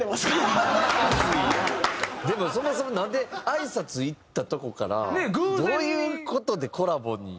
でもそもそもなんであいさつ行ったとこからどういう事でコラボに？